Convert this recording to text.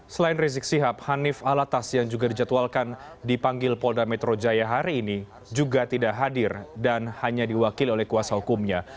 selain rizik sihab hanif alatas yang juga dijadwalkan dipanggil polda metro jaya hari ini juga tidak hadir dan hanya diwakili oleh kuasa hukumnya